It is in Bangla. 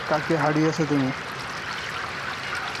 কাকে হারিয়েছ তুমি?